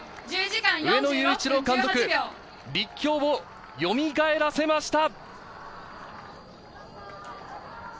上野裕一郎監督、立教をよみがえらせました！